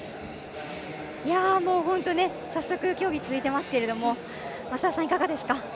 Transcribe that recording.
早速競技、続いていますけど増田さん、いかがですか。